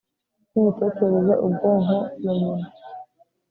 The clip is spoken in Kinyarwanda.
yimitekerereze ubwonko ya nyina